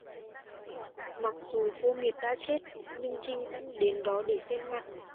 Mặc dù cô Miệt đã chết nhưng Trinh vẫn đến đó để xem lại